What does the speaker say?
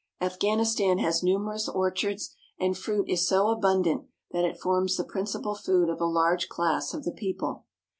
Afghanistan has numerous orchards, and fruit is so abundant that it forms the principal food of a large class of the people.